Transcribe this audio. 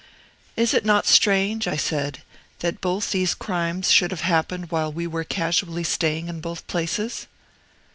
"Is it not strange," I said, "that both these crimes should have happened while we were casually staying in both places?"